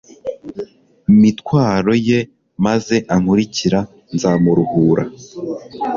mitwaro ye, maze ankurikira nzamuruhura